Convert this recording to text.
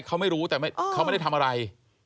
เขาไม่รู้แต่เขาไม่ได้ทำอะไร